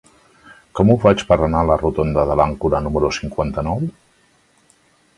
Com ho faig per anar a la rotonda de l'Àncora número cinquanta-nou?